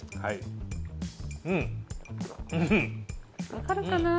分かるかなぁ？